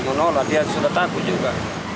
menolak dia sudah takut juga